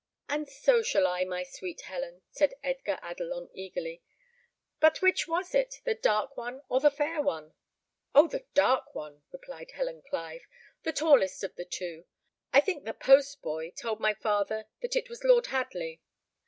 "And so shall I, my sweet Helen," said Edgar Adelon, eagerly; "but which was it, the dark one or the fair one?" "Oh! the dark one," replied Helen Clive; "the tallest of the two. I think the post boy told my father that it was Lord Hadley."